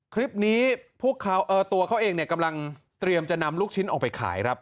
คลิปนี้ตัวเขาเองกำลังเตรียมจะนำลูกชิ้นออกไปขายครับ